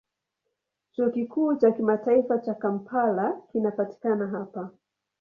Chuo Kikuu cha Kimataifa cha Kampala kinapatikana hapa.